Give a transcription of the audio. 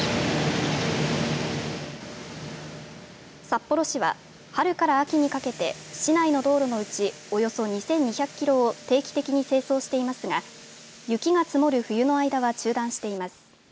札幌市は、春から秋にかけて市内の道路のうちおよそ２２００キロを定期的に清掃していますが雪が積もる冬の間は中断しています。